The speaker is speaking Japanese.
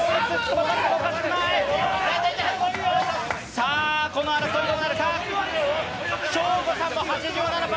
さあ、この争い、どうなるか。